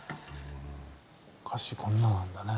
樫こんななんだね。